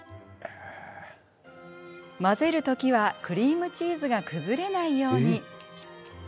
混ぜるときはクリームチーズが崩れないように。